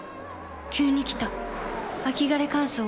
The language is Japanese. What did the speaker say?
急に来た秋枯れ乾燥。